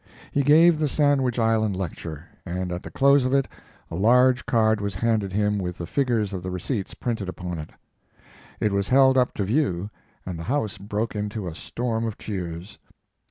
He gave the Sandwich Island lecture, and at the close of it a large card was handed him with the figures of the receipts printed upon it. It was held up to view, and the house broke into a storm of cheers.